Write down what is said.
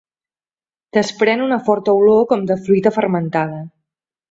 Desprèn una forta olor com de fruita fermentada.